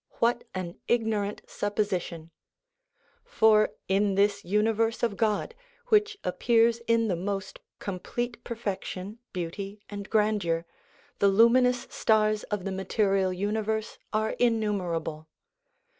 What an ignorant supposition ! For, in this universe of God, which appears in the most complete perfection, beauty, and grandeur, the luminous stars of the material universe are innumerable